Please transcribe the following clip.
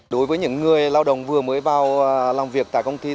đối với những người lao động vừa mới vào làm việc tại công ty